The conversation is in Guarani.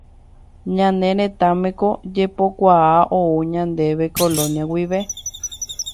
Ñane retãme ko jepokuaa ou ñandéve Colonia guive.